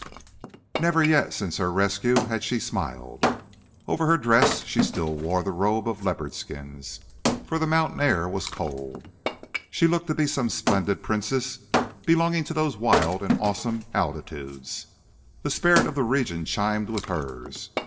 Never yet since her rescue had she smiled. Over her dress she still wore the robe of leopard skins, for the mountain air was cold. She looked to be some splendid princess belonging to those wild and awesome altitudes. The spirit of the region chimed with hers.